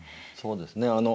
そうですね。